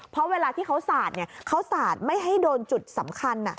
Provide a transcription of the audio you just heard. เพราะเวลาที่เขาสาดเขาสาดไม่ให้โดนจุดสำคัญ